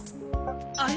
あれ？